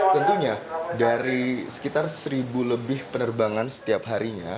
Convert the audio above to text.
tentunya dari sekitar seribu lebih penerbangan setiap harinya